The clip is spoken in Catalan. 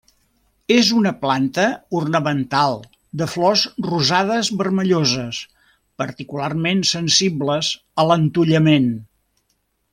És una planta ornamental de flors rosades vermelloses, particularment sensibles a l'entollament.